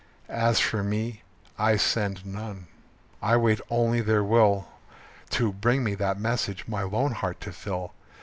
As for me, I send none. I wait only their will To bring me that message my lone heart to fill.